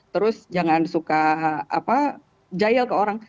terus jangan suka giyal ke orang